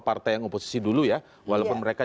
partai yang oposisi dulu ya walaupun mereka